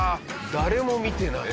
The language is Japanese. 誰も見てない。